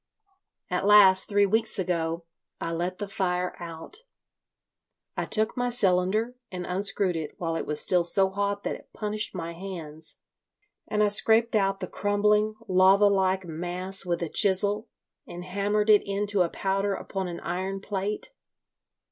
"At last, three weeks ago, I let the fire out. I took my cylinder and unscrewed it while it was still so hot that it punished my hands, and I scraped out the crumbling lava like mass with a chisel, and hammered it into a powder upon an iron plate.